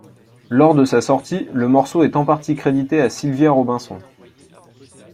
Lors de sa sortie, le morceau est en partie crédité à Sylvia Robinson.